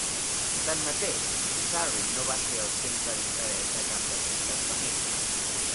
Tanmateix, Surrey no va ser el centre d'interès de cap d'aquestes famílies.